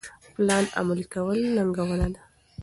پلان عملي کول ننګونه ده.